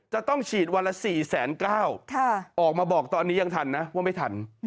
จะต้องฉีดวันละ๔๙๐๐ออกมาบอกตอนนี้ยังทันนะว่าไม่ทัน